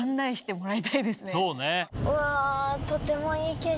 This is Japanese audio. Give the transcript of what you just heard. うわ。